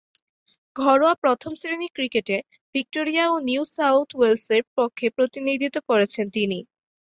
ঘরোয়া প্রথম-শ্রেণীর ক্রিকেটে ভিক্টোরিয়া ও নিউ সাউথ ওয়েলসের পক্ষে প্রতিনিধিত্ব করেছেন তিনি।